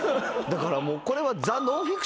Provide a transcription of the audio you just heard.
だからもうこれは。